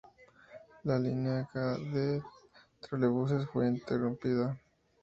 La línea K de trolebuses fue interrumpida.